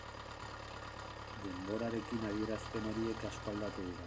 Denborarekin adierazpen horiek asko aldatu dira.